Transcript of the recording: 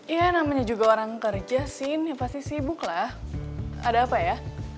ya namanya juga orang kerja sih pasti sibuk lah ada apa ya